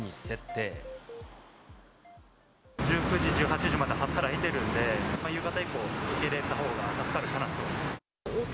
ー１９じ、１８時まで働いてるんで、夕方以降、受けられたほうが助かるかなと。